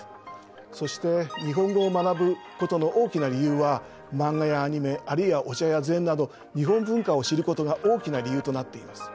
そして日本語を学ぶことの大きな理由はマンガやアニメあるいはお茶や禅など日本文化を知ることが大きな理由となっています。